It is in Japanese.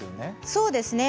そうですね。